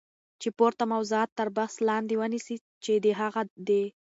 چی پورته موضوعات تر بحث لاندی ونیسی چی هغه د